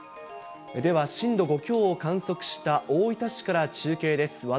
では、震度５強を観測した大分市から中継です。